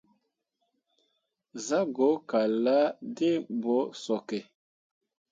Zah go kallahvd̃ǝǝ ɓo sooke.